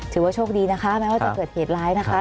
ถือว่าโชคดีนะคะแม้ว่าจะเกิดเหตุร้ายนะคะ